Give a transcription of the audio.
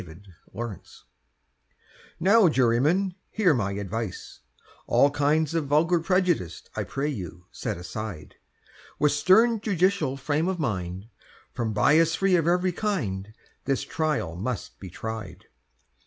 THE USHER'S CHARGE NOW, Jurymen, hear my advice— All kinds of vulgar prejudice I pray you set aside: With stern judicial frame of mind— From bias free of every kind, This trial must be tried!